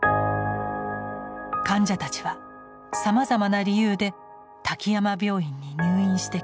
患者たちはさまざまな理由で滝山病院に入院してきました。